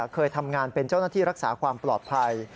เคยทำงานเป็นเจ้าหน้าที่รักษาความปลอดภัย